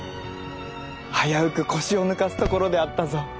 危うく腰を抜かすところであったぞ。